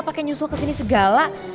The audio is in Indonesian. kayak nyusul kesini segala